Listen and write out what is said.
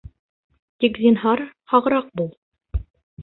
Тик, зинһар, һағыраҡ бул.